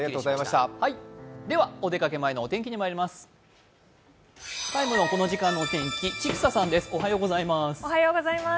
ではお出かけ前のお天気にまいります。